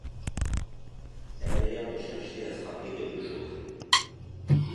Elle avait l’air de chercher à se rappeler quelque chose.